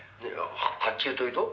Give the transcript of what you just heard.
「発注というと？」